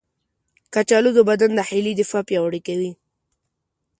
کچالو د بدن داخلي دفاع پیاوړې کوي.